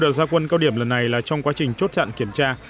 đợt gia quân cao điểm là trong quá trình chốt chặn kiểm tra